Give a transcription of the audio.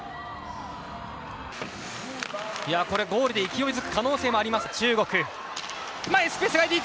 ゴールで勢いづく可能性もあります、中国。